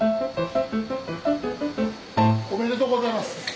おめでとうございます！